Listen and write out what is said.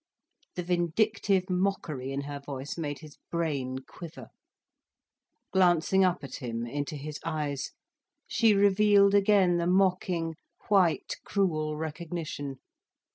_" The vindictive mockery in her voice made his brain quiver. Glancing up at him, into his eyes, she revealed again the mocking, white cruel recognition.